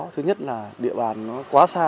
thứ nhất là địa bàn nó quá xa